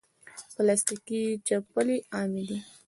پلاستيکي چپلی عامې دي.